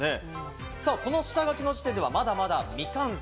この下描きの時点ではまだまだ未完成。